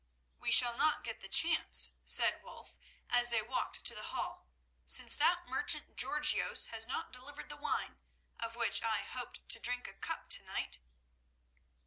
"We shall not get the chance," said Wulf, as they walked to the Hall, "since that merchant Georgios has not delivered the wine, of which I hoped to drink a cup to night."